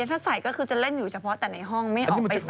ถ้าใส่ก็คือจะเล่นอยู่เฉพาะแต่ในห้องไม่ออกไปใส่